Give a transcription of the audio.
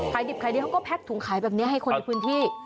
ดิบขายดีเขาก็แพ็กถุงขายแบบนี้ให้คนในพื้นที่